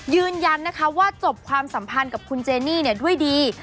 ยืนยันนะคะว่าจบความสัมพันธ์กับคุณเจนี่ด้วยดี